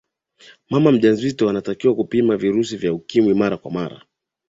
mama mjamzito anatakiwa kupima virusi vya ukimwi mara kwa mara